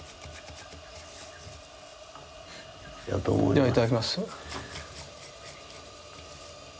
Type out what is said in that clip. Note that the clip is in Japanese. ではいただきます。